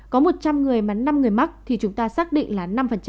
có một trăm linh người mà năm người mắc thì chúng ta xác định là năm